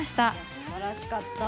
すばらしかった。